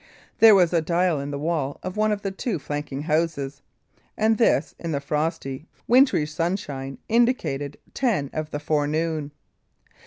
There was a dial in the wall of one of the two flanking houses; and this, in the frosty winter sunshine, indicated ten of the forenoon.